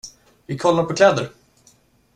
Vi kollar på kläder.